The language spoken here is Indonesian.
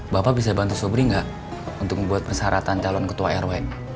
bapak bisa bantu sobri nggak untuk membuat persyaratan calon ketua rwn